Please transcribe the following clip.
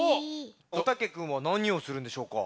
おたけくんはなにをするんでしょうか？